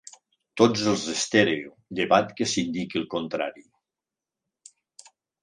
Tots els estèreo, llevat que s'indiqui el contrari.